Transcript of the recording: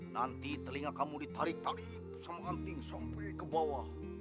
nanti telinga kamu ditarik tarik sama anting sang putri ke bawah